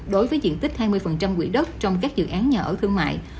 đối với diện tích hai mươi quỹ đất trong các dự án nhà ở thương mại